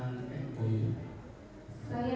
tidak pernah ya